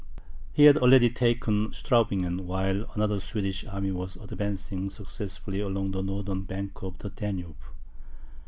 He had already taken Straubingen, while another Swedish army was advancing successfully along the northern bank of the Danube.